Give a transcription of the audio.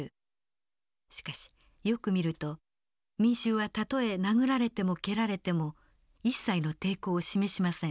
しかしよく見ると民衆はたとえ殴られても蹴られても一切の抵抗を示しません。